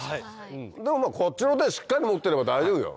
でもこっちの手しっかり持ってれば大丈夫よ。